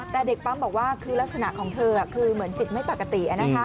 แต่เด็กปั๊มบอกว่าคือลักษณะของเธอคือเหมือนจิตไม่ปกติ